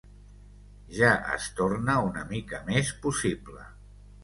Ja es torna una mica més possible.